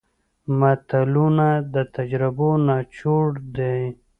متلونه د تجربو نچوړ دی